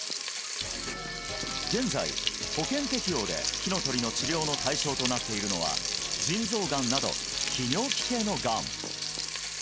現在保険適用でｈｉｎｏｔｏｒｉの治療の対象となっているのは腎臓がんなど泌尿器系のがん